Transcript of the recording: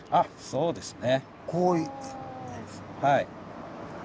そうですね。